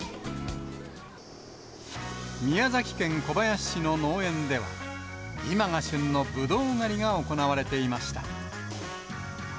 宮崎県小林市の農園では、今が旬のブドウ狩りが行われていました。